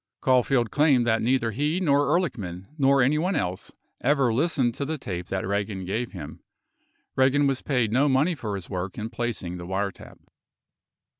27 Caulfield claimed that neither he nor Ehrlichman nor anyone else ever listened to the tape that Eagan gave him. Eagan was paid no money for his work in placing the wiretap.